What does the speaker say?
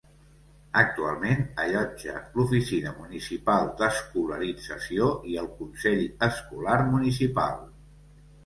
Actualment allotja l'Oficina Municipal d'Escolarització i el Consell Escolar Municipal.